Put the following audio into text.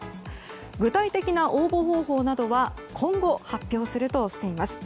具体的な応募方法などは今後発表するとしています。